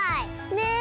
ねえ！